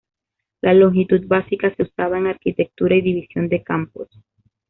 La longitud básica se usaba en arquitectura y división de campos.